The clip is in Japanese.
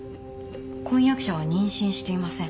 婚約者は妊娠していません。